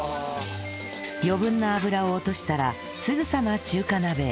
余分な油を落としたらすぐさま中華鍋へ